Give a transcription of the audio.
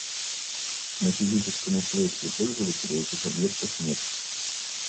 На физическом устройстве пользователя этих объектов нет